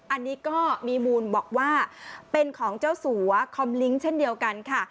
อันนี้ก็มีมูลบอกว่าเป็นของเจ้าสัวคอมลิ้งเช่นเดียวกันค่ะ